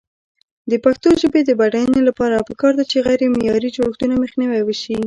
د پښتو ژبې د بډاینې لپاره پکار ده چې غیرمعیاري جوړښتونه مخنیوی شي.